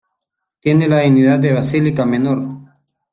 Tiene la dignidad de basílica menor.